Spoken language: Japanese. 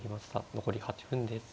残り８分です。